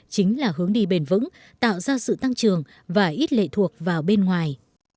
chính là hướng đi bền vững tạo ra sự tăng trường và ít lệ thuộc vào bên ngoài